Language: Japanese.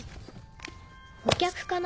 お客かな？